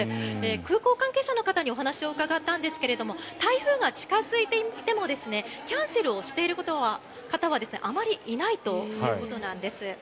空港関係者の方にお話を伺ったんですが台風が近付いていってもキャンセルをしている方はあまりいないということなんです。